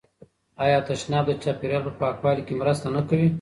آیا تشناب د چاپیریال په پاکوالي کې مرسته نه کوي؟